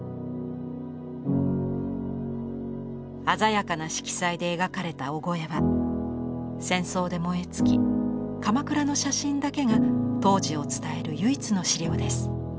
鮮やかな色彩で描かれた「御後絵」は戦争で燃え尽き鎌倉の写真だけが当時を伝える唯一の資料です。